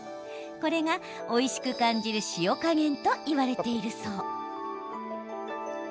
これが、おいしく感じる塩加減といわれているそう。